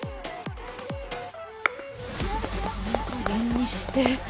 「いい加減にして！